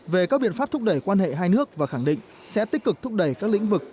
về các biện pháp thúc đẩy quan hệ hai nước và khẳng định sẽ tích cực thúc đẩy các lĩnh vực